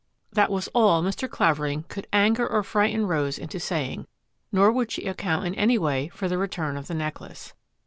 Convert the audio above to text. That was all Mr. Clavering could anger or frighten Rose into saying, nor would she account in any way for the return of the necklace.